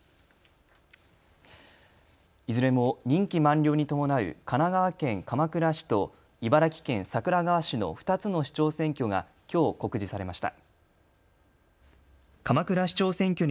いずれも任期満了に伴う神奈川県鎌倉市と茨城県桜川市の２つの市長選挙がきょう告示されました。